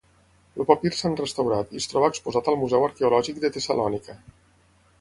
El papir s'han restaurat i es troba exposat al Museu Arqueològic de Tessalònica.